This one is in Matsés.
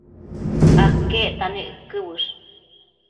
aquecta nec uëquë uësh?